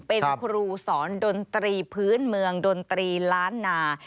เป็นครูสอนดนตรีพื้นเมืองดนตรีล้านนา